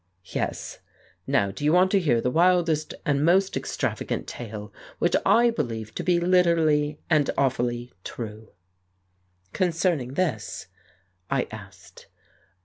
"Yes. Now do you want to hear the wildest and most extravagant tale, which I believe to be literally and awfully true ?" "Concerning this?" I asked.